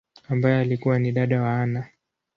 ambaye alikua ni dada wa Anna.